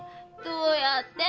どうやって？